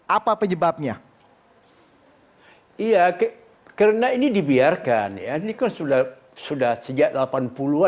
apa yang membuat kemudian ini bisa kalau tadi kata buya macan kecil yang sekarang sudah mulai besar gitu dan memungkin memakan tuannya sendiri gitu buya